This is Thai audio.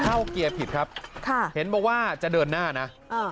เกียร์ผิดครับค่ะเห็นบอกว่าจะเดินหน้านะอ่า